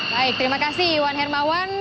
baik terima kasih iwan hermawan